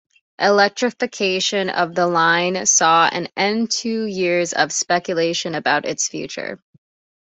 Electrification of the line saw an end to years of speculation about its future.